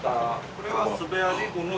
これはスペアリブの。